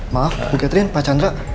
maaf bu catherine pak chandra